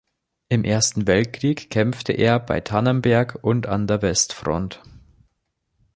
Im Ersten Weltkrieg kämpfte er bei Tannenberg und an der Westfront.